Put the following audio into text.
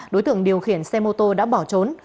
đối tượng điều khiển xe mô tô đã bỏ trốn